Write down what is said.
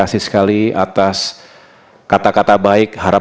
sholat asar saya enggak tahu